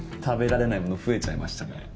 食べられないもの増えちゃいましたね。